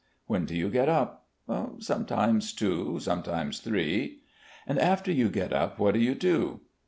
"When do you get up?" "Sometimes two, sometimes three." "And after you get up what do you do?"